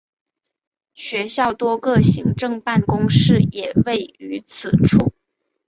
学校多个行政办公室也位于此处。